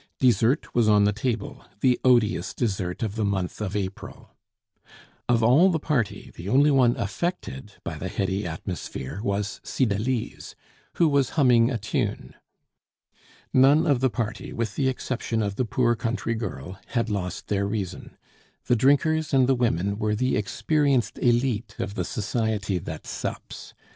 Dessert was on the table, the odious dessert of the month of April. Of all the party, the only one affected by the heady atmosphere was Cydalise, who was humming a tune. None of the party, with the exception of the poor country girl, had lost their reason; the drinkers and the women were the experienced elite of the society that sups.